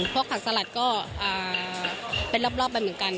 ผักสลัดก็เป็นรอบไปเหมือนกัน